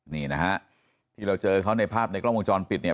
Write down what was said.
นี่นะฮะที่เราเจอเขาในภาพในกล้องวงจรปิดเนี่ย